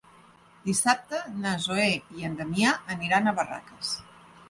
Dissabte na Zoè i en Damià aniran a Barraques.